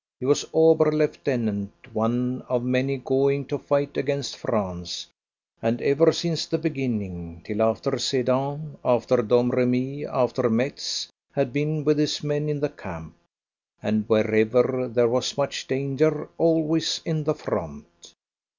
He was ober lieutenant, one of many going to fight against France, and ever since the beginning, till after Sedan, after Domremy, after Metz, had been with his men in the camp, and wherever there was much danger always in the front.